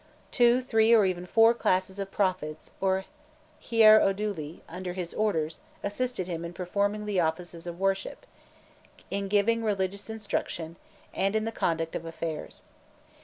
Two, three, or even four classes of prophets or heiroduli under his orders assisted him in performing the offices of worship, in giving religious instruction, and in the conduct of affairs.